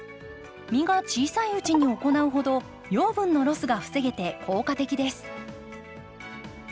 実が小さいうちに行うほど養分のロスが防げて効果的です。